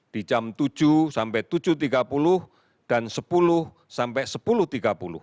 di jam tujuh sampai tujuh tiga puluh dan sepuluh sampai sepuluh tiga puluh